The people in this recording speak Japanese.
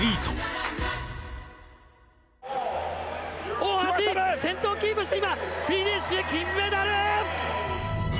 大橋、先頭をキープして今、フィニッシュ。